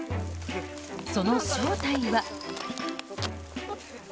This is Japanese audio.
その正体は。